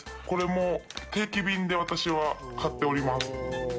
これも定期便で私は買っております。